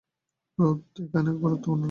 রোধ এখানে গুরুত্বপূর্ণ না।